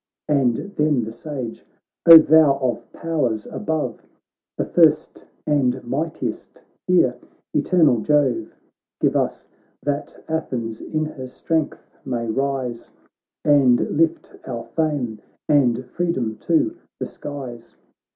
And then the Sage :' Oh, thou of powers above The first and mightiest, hear, eternal Jove ! Give us, that Athens in her strength may rise, And lift our fame and freedom to the skies